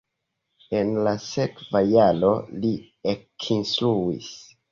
En la sekva jaro li ekinstruis.